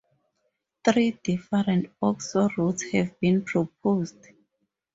Three different oxo-routes have been proposed.